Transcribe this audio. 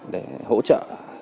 để hỗ trợ